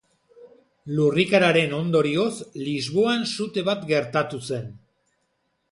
Lurrikararen ondorioz Lisboan sute bat gertatu zen.